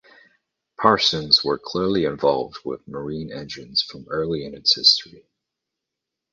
Parsons were clearly involved with marine engines from early in its history.